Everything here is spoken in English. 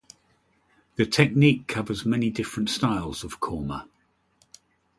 The technique covers many different styles of korma.